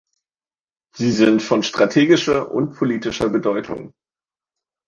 Sie sind von strategischer und politischer Bedeutung.